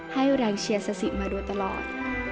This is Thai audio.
ให้แรงเชียร์ซาซีมาด้วยตลอด